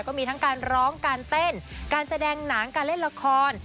ก็มีทั้งการร้องการเต้นการแสดงหนังการเล่นละคร